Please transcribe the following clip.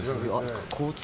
交通